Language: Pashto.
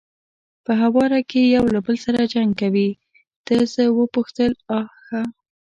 په هواره کې یو له بل سره جنګ کوي، ده زه وپوښتل: آ ښه.